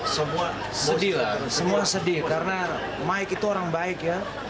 semua sedih lah semua sedih karena mike itu orang baik ya